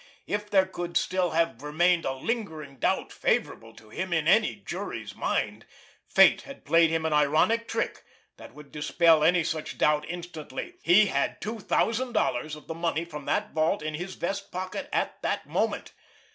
If there could still have remained a lingering doubt favorable to him in any jury's mind, fate had played him an ironic trick that would dispel any such doubt instantly. _He had two thousand dollars of the money from that vault in his vest pocket at that moment!